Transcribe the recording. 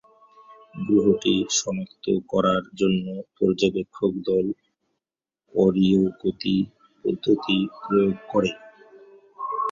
গ্রহটি শনাক্ত করার জন্য পর্যবেক্ষক দল অরীয় গতি পদ্ধতি প্রয়োগ করে।